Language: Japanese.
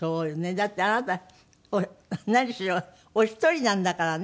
だってあなた何しろお一人なんだからね。